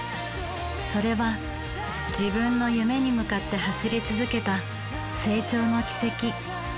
それは自分の夢に向かって走り続けた成長の軌跡。